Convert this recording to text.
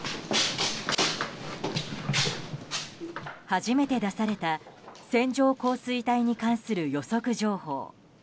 初めて出された線状降水帯に関する予測情報。